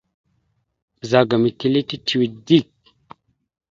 Ɓəzagaam etelle tituwe dik.